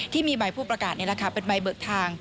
ที่มีใบผู้ประกาศนี่แหละค่ะเป็นใบเบิกทาง